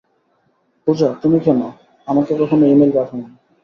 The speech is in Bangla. পূজা, তুমি কেন, আমাকে কখনো ইমেল পাঠাওনি?